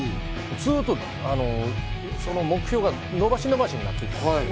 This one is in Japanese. ずっと目標が延ばし延ばしになっていたんですね。